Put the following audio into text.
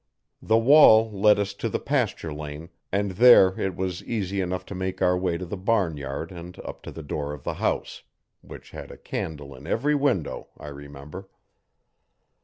The wall led us to the pasture lane, and there it was easy enough to make our way to the barnyard and up to the door of the house, which had a candle in every window, I remember.